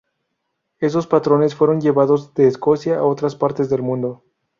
Esos patrones fueron llevados de Escocia a otras partes del mundo.